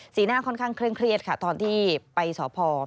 หน้าค่อนข้างเคร่งเครียดค่ะตอนที่ไปสพ